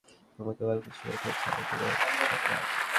বনগ্রামের নূর হোসেন হয়ে ওঠেন সমগ্র বাংলাদেশ, হয়ে ওঠেন সারা দুনিয়ার সংবাদ।